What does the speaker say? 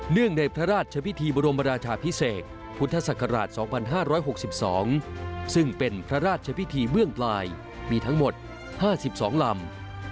ในพระราชพิธีบรมราชาพิเศษพุทธศักราช๒๕๖๒ซึ่งเป็นพระราชพิธีเบื้องปลายมีทั้งหมด๕๒ลำ